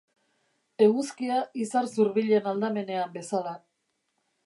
Eguzkia izar zurbilen aldamenean bezala.